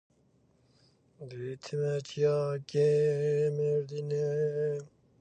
Two very different groups used the name Fedayeen in recent Iranian history.